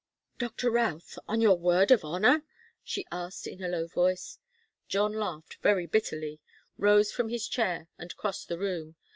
"Doctor Routh on your word of honour?" she asked in a low voice. John laughed very bitterly, rose from his chair, and crossed the room.